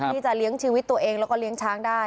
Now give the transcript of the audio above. ที่จะเลี้ยงชีวิตตัวเองแล้วก็เลี้ยงช้างได้